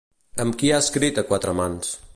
Amb qui ha escrit a quatre mans?